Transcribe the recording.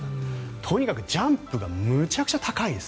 とにかくジャンプがむちゃくちゃ高いです。